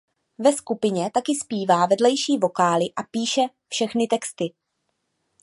Ve skupině taky zpívá vedlejší vokály a píše všechny texty.